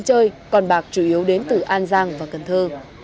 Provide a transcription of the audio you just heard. trong khi chơi con bạc chủ yếu đến từ an giang và cần thơ